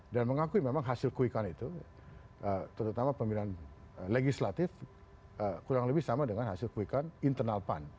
dan mengakui memang hasil quick count itu terutama pemilihan legislatif kurang lebih sama dengan hasil quick count internal pan